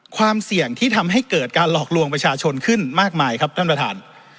ความเสี่ยงที่ทำให้เกิดการหลอกลวงประชาชนขึ้นมากมายครับท่านประธาน